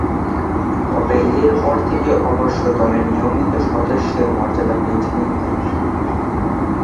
তবে, এরপর থেকে অবশ্য দলের নিয়মিত সদস্যের মর্যাদা পেয়েছিলেন তিনি।